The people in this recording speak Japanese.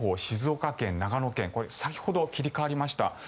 静岡県、長野県先ほど切り替わりました。